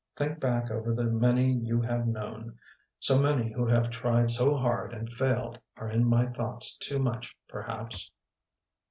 Think back over the many you have known. So many who have tried so hard and failed are in my thoughts too much, perhaps.